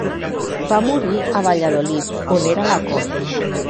Va morir a Valladolid on era la cort.